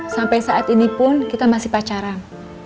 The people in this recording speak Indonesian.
sampai saat ini pun kita masih pacaran